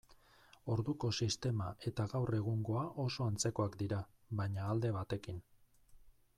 Orduko sistema eta gaur egungoa oso antzekoak dira, baina alde batekin.